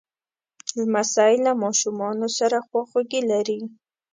لمسی له ماشومانو سره خواخوږي لري.